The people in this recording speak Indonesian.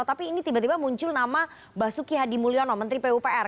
tapi ini tiba tiba muncul nama basuki hadi mulyono menteri pupr